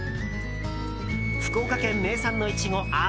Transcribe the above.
福岡県名産のイチゴあ